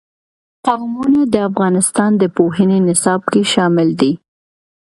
قومونه د افغانستان د پوهنې نصاب کې شامل دي.